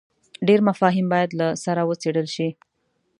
ډېر مفاهیم باید له سره وڅېړل شي.